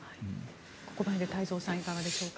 ここまでで太蔵さんいかがでしょうか。